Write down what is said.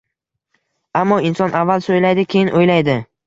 Ammo inson avval so'ylaydi, keyin o'ylaydi.